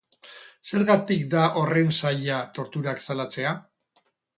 Zergatik da horren zaila torturak salatzea?